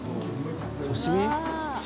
「刺身？」